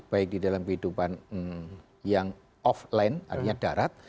baik di dalam kehidupan yang offline artinya darat